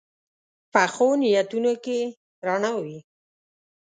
پخو نیتونو کې رڼا وي